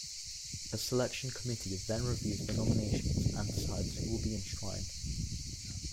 A selection committee then reviews the nominations and decides who will be enshrined.